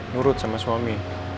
nurut sama suami